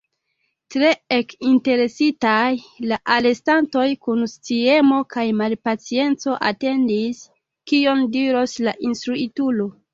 Tre ekinteresitaj, la alestantoj kun sciemo kaj malpacienco atendis, kion diros la instruitulo.